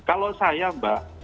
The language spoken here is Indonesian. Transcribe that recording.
kalau saya mbak